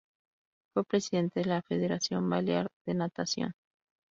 Fue presidente de la Federación Balear de Natación.